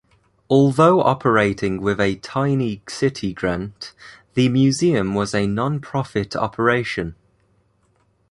Although operating with a tiny city grant, the museum was a non-profit operation.